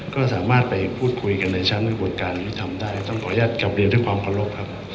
ก็สามารถไปพูดคุยกันในชั้นกระบวนการยุทธรรมได้ต้องขออนุญาตกลับเรียนด้วยความเคารพครับ